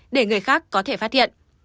để người khác có thể phát hiện